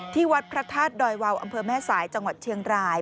ที่วัดพระธาตุดอยวาวอำเภอแม่สายจังหวัดเชียงราย